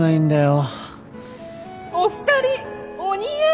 お二人お似合い！